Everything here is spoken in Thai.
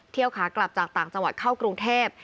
ขากลับจากต่างจังหวัดเข้ากรุงเทพ